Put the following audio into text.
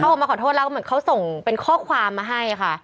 ออกมาขอโทษแล้วก็เหมือนเขาส่งเป็นข้อความมาให้ค่ะ